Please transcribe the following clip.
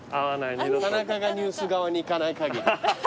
田中がニュース側に行かない限り。